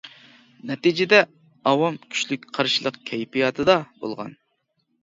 نەتىجىدە ئاۋام كۈچلۈك قارشىلىق كەيپىياتىدا بولغان.